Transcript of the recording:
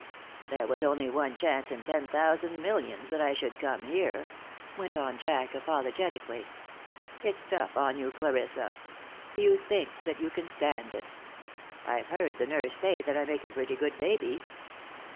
"There was only one chance in ten thousand millions that I should come here," went on Jack, apologetically. "It's tough on you, Clarissa. Do you think that you can stand it? I've heard the nurse say that I make a pretty good baby."